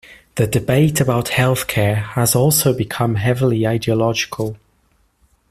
The debate about health care has also become heavily ideological.